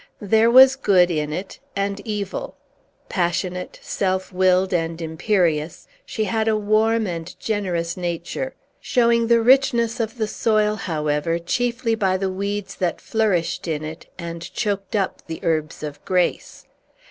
There was good in it, and evil. Passionate, self willed, and imperious, she had a warm and generous nature; showing the richness of the soil, however, chiefly by the weeds that flourished in it, and choked up the herbs of grace.